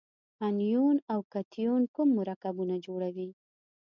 انیون او کتیون کوم مرکبونه جوړوي؟